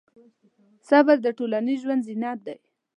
صبر د ټولنیز ژوند زینت دی.